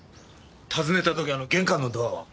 訪ねた時玄関のドアは？